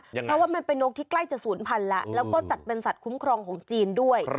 เพราะว่ามันเป็นนกที่ใกล้จะศูนย์พันธุ์แล้วแล้วก็จัดเป็นสัตว์คุ้มครองของจีนด้วย